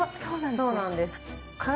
そうなんです。